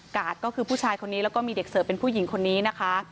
ก็คือผู้ชายคนนี้แล้วก็มีเด็กเสิร์ฟเป็นผู้หญิงคนนี้นะคะ